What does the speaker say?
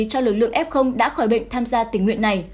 cho lực lượng f đã khỏi bệnh tham gia tình nguyện này